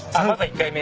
１回目。